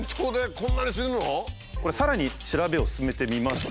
これさらに調べを進めてみました。